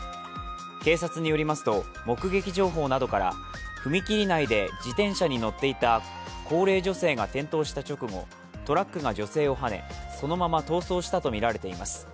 警察によりますと、目撃情報などから踏切内で自転車に乗っていた高齢女性が転倒した直後、トラックが女性をはねそのまま逃走したとみられています。